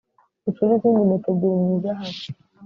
Ucure izindi mpeta ebyiri mu izahabu